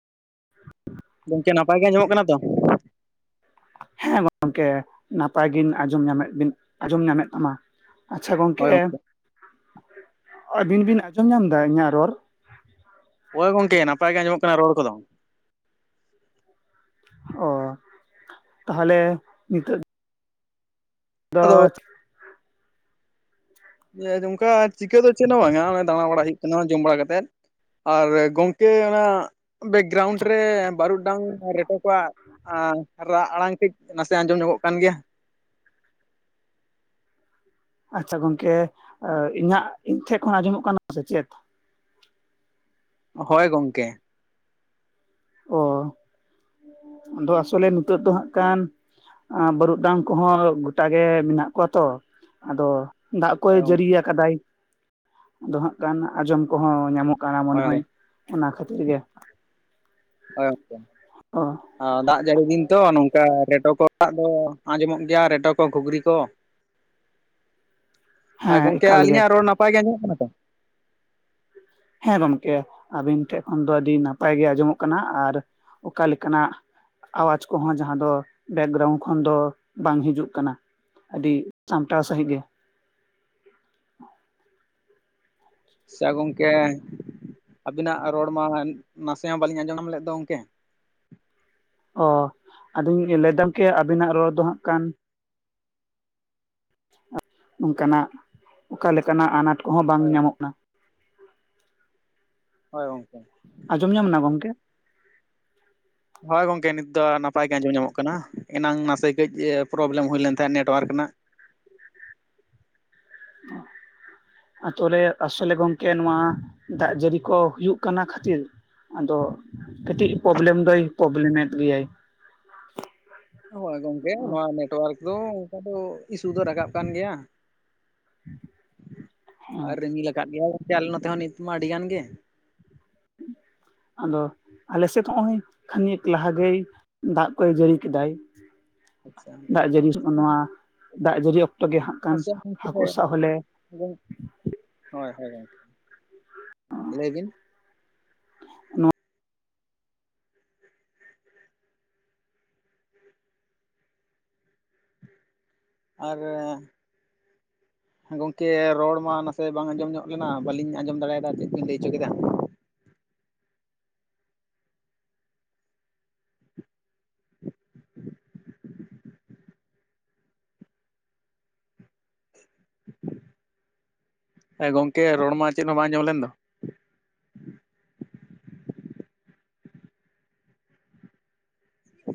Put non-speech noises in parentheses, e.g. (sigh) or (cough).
ᱜᱚᱢᱠᱮ ᱱᱟᱯᱟᱭ ᱜᱮ ᱟᱸᱡᱚᱢᱚᱜ ᱠᱟᱱᱟ ᱛᱚ? ᱦᱮᱸ ᱜᱚᱝᱠᱮ ᱱᱟᱯᱟᱭ ᱜᱤᱱ ᱟᱸᱡᱚᱢ ᱧᱟᱢᱮᱫ ᱵᱤᱱ ᱟᱸᱡᱚᱢ ᱧᱟᱢᱮᱫ ᱛᱟᱢᱟ ᱾ ᱟᱪᱪᱷᱟ ᱜᱚᱝᱠᱮ ᱟᱹᱵᱤᱱ ᱵᱤᱱ ᱟᱸᱡᱚᱢ ᱧᱟᱢ ᱮᱫᱟ ᱤᱧᱟᱹᱜ ᱨᱚᱲ? ᱦᱳᱭ ᱜᱚᱝᱠᱮ ᱱᱟᱯᱟᱭ ᱜᱮ ᱟᱸᱡᱚᱢᱚᱜ ᱠᱟᱱᱟ ᱨᱚᱲ ᱠᱚᱫᱚ ᱾ ᱚ ᱛᱟᱦᱚᱞᱮ ᱱᱤᱛᱚᱜ ᱟᱫᱚ ᱫᱚ ᱮᱸᱫ ᱚᱱᱠᱟ ᱪᱤᱠᱟᱹ ᱫᱚ ᱪᱮᱫ ᱦᱚᱸ ᱵᱟᱝᱟ ᱫᱟᱬᱟ ᱵᱟᱲᱟ ᱦᱩᱭᱩᱜ ᱠᱟᱱᱟ ᱡᱚᱢ ᱵᱟᱲᱟ ᱠᱟᱛᱮᱫ ᱾ ᱟᱨ ᱜᱚᱝᱠᱮ ᱚᱱᱟ ᱵᱮᱠᱜᱨᱟᱣᱩᱱᱰ ᱨᱮ ᱵᱟᱹᱨᱩᱜ ᱰᱟᱝ ᱨᱮᱴᱚ ᱠᱚᱣᱟᱜ ᱟᱸ ᱨᱟᱜ ᱟᱲᱟᱝ ᱴᱤᱡ ᱱᱟᱥᱮ ᱟᱸᱡᱚᱢ ᱧᱚᱜᱚᱜ ᱠᱟᱱ ᱜᱮᱭᱟ ᱾ ᱟᱪᱪᱷᱟ ᱜᱚᱝᱠᱮ ᱤᱧᱟᱹᱜ ᱤᱧ ᱴᱷᱮᱡ ᱠᱷᱚᱱ ᱟᱸᱡᱚᱢᱚᱜ ᱠᱟᱱᱟ ᱥᱮ ᱪᱮᱫ? ᱦᱳᱭ ᱜᱚᱝᱠᱮ ᱾ ᱚ, ᱟᱫᱚ ᱟᱥᱚᱞᱮ ᱱᱤᱛᱚᱜ ᱫᱚ ᱦᱟᱸᱜ ᱠᱟᱱ ᱵᱟᱹᱨᱩᱜ ᱰᱟᱝ ᱠᱚᱦᱚᱸ ᱜᱚᱴᱟ ᱜᱮ ᱢᱮᱱᱟᱜ ᱠᱚᱣᱟ ᱛᱚ ᱟᱫᱚ ᱫᱟᱜ ᱠᱚᱭ ᱦᱳᱭ ᱡᱟᱹᱨᱤᱭᱟ ᱟᱠᱟᱫᱟᱭ ᱟᱫᱚ ᱦᱟᱸᱜ ᱠᱟᱱ ᱟᱸᱡᱚᱢ ᱠᱚᱦᱚᱸ ᱧᱟᱢᱚᱜ ᱠᱟᱱᱟ ᱢᱚᱱᱮ ᱦᱚᱭ ᱾ ᱚᱱᱟ ᱠᱷᱟᱛᱤᱨ ᱜᱮ ᱾ ᱦᱳᱭ᱾ (unintelligible) ᱚ ᱾ ᱟᱸ ᱫᱟᱜ ᱡᱟᱹᱲᱤ ᱫᱤᱱ ᱛᱚ ᱱᱚᱝᱠᱟ ᱨᱮᱴᱚ ᱠᱚᱣᱟᱜ ᱫᱚ ᱟᱸᱡᱚᱢᱚᱜ ᱜᱮᱭᱟ ᱨᱮᱴᱚ ᱠᱚ, ᱜᱷᱩᱜᱽᱨᱤ ᱠᱚ ᱾ ᱟᱨ ᱦᱮᱸ ᱜᱚᱝᱠᱮ ᱮᱠᱟᱞ ᱜᱮ ᱟᱞᱤᱧᱟᱜ ᱨᱚᱲ ᱱᱟᱯᱟᱭ ᱜᱮ ᱟᱸᱡᱚᱜ ᱠᱟᱱᱟ ᱛᱚ? ᱦᱮᱸ ᱜᱚᱝᱠᱮ ᱟᱹᱵᱤᱱ ᱴᱷᱮᱡ ᱠᱷᱚᱱ ᱫᱚ ᱟᱹᱰᱤ ᱱᱟᱯᱟᱭ ᱜᱮ ᱟᱸᱡᱚᱢᱚᱜ ᱠᱟᱱᱟ, ᱟᱨ ᱚᱠᱟ ᱞᱮᱠᱟᱱᱟᱜ ᱟᱣᱟᱡᱽ ᱠᱚᱦᱚᱸ ᱡᱟᱦᱟᱸ ᱫᱚ, ᱵᱮᱠᱜᱨᱟᱣᱩᱱᱰ ᱠᱷᱚᱱ ᱫᱚ ᱵᱟᱝ ᱦᱤᱡᱩᱜ ᱠᱟᱱᱟ᱾ ᱟᱹᱰᱤ ᱥᱟᱢᱴᱟᱣ ᱥᱟᱺᱦᱤᱡ ᱜᱮ ᱟᱪᱪᱷᱟ ᱜᱚᱝᱠᱮ ᱟᱹᱵᱤᱱᱟᱜ ᱨᱚᱲ ᱢᱟ ᱱᱟᱥᱮ ᱦᱚᱸ ᱵᱟᱹᱞᱤᱧ ᱟᱸᱡᱚᱢ ᱧᱟᱢ ᱞᱮᱫ ᱫᱚ ᱜᱚᱝᱠᱮ ᱚ ᱟᱫᱚᱧ ᱞᱟᱹᱭᱫᱟᱢ ᱠᱮ ᱟᱹᱵᱤᱱᱟᱜ ᱨᱚᱲ ᱫᱚ ᱦᱟᱸᱜ ᱠᱟᱱ ᱚᱝᱠᱟᱱᱟᱜ ᱚᱠᱟᱞᱮᱠᱟᱱᱟᱜ ᱟᱱᱟᱴ ᱠᱚᱦᱚᱸ ᱵᱟᱝ ᱦᱳᱭ ᱧᱟᱢᱚᱜ ᱠᱟᱱᱟ᱾ ᱦᱳᱭ ᱜᱚᱝᱠᱮ᱾ ᱟᱸᱡᱚᱢ ᱧᱟᱢ ᱮᱱᱟ ᱜᱚᱝᱠᱮ? ᱦᱳᱭ ᱜᱚᱝᱠᱮ ᱱᱤᱛ ᱫᱚ ᱱᱟᱯᱟᱭ ᱜᱮ ᱟᱸᱡᱚᱢ ᱧᱟᱢᱚᱜ ᱠᱟᱱᱟ, ᱮᱱᱟᱝ ᱱᱟᱥᱮ ᱠᱟᱹᱡ ᱯᱨᱚᱵᱞᱮᱢ ᱦᱩᱭ ᱞᱮᱱ ᱛᱟᱦᱮᱸᱫ ᱱᱮᱴᱣᱟᱨᱠ ᱨᱮᱱᱟᱜ᱾ (inaudible) ᱟᱹᱛᱩ ᱨᱮ ᱟᱥᱚᱞᱮ ᱜᱚᱝᱠᱮ ᱱᱚᱣᱟ, ᱫᱟᱜ ᱡᱟᱹᱲᱤ ᱠᱚ ᱦᱩᱭᱩᱜ ᱠᱟᱱᱟ ᱠᱷᱟᱹᱛᱤᱨ᱾ ᱟᱫᱚ ᱠᱟᱹᱴᱤᱡ ᱯᱨᱚᱵᱞᱮᱢ ᱫᱚᱭ ᱯᱨᱚᱵᱞᱮᱢᱮᱫ ᱜᱮᱭᱟᱭ᱾ ᱦᱳᱭ ᱜᱚᱝᱠᱮ ᱚ ᱱᱚᱣᱟ ᱱᱮᱴᱚᱣᱟᱨᱠ ᱫᱚ ᱚᱱᱠᱟ ᱫᱚ ᱤᱥᱩ ᱫᱚ ᱨᱟᱠᱟᱵ ᱠᱟᱱ ᱜᱮᱭᱟ, ᱦᱮᱸ ᱟᱨ ᱨᱤᱢᱤᱞᱠᱟᱫ ᱜᱮᱭᱟᱭ ᱟᱞᱮ ᱱᱚᱛᱮ ᱦᱚᱸ ᱱᱤᱛ ᱢᱟ ᱟᱹᱰᱤ ᱜᱟᱱ ᱜᱮ᱾ ᱟᱫᱚ ᱟᱞᱮᱥᱮᱫ ᱦᱚᱸᱜ-ᱚᱭ ᱠᱷᱟᱱᱮᱠ ᱞᱟᱦᱟ ᱜᱮᱭ ᱫᱟᱜ ᱠᱚᱭ ᱡᱟᱹᱲᱤ ᱠᱮᱫᱟᱭ᱾ ᱟᱪᱪᱷᱟ ᱫᱟᱜ ᱡᱟᱹᱲᱤ ᱱᱚᱣᱟ ᱥᱚᱠᱟᱢ ᱱᱚᱣᱟ ᱫᱟᱜ ᱡᱟᱹᱲᱤ ᱚᱠᱛᱚ ᱜᱮ ᱦᱟᱸᱜ ᱠᱷᱟᱱ ᱟᱪᱪᱷᱟ ᱜᱚᱝᱠᱮ ᱦᱟᱹᱠᱩ ᱥᱟᱵᱽ ᱦᱚᱸᱞᱮ ᱦᱳᱭ ᱦᱳᱭ ᱜᱚᱝᱠᱮ ᱞᱟᱹᱭ ᱵᱤᱱ? ᱱᱚᱣᱟ ᱟᱨᱮᱻ ᱮᱸ ᱜᱚᱝᱠᱮ ᱨᱚᱲ ᱢᱟ ᱱᱟᱥᱮ ᱵᱟᱝ ᱟᱸᱡᱚᱢ ᱧᱚᱜ ᱞᱮᱱᱟ ᱵᱟᱹᱞᱤᱧ ᱟᱸᱡᱚᱢ ᱫᱟᱲᱮᱭᱟᱫᱟ ᱪᱮᱫ ᱪᱮᱫ ᱵᱤᱱ ᱞᱟᱹᱭ ᱚᱪᱚ ᱠᱮᱫᱟ? (inaudible) ᱮ ᱜᱚᱝᱠᱮ ᱨᱚᱲ ᱢᱟ ᱪᱮᱫ ᱦᱚᱸ ᱵᱟᱝ ᱟᱸᱡᱚᱢ ᱞᱮᱱ ᱫᱚ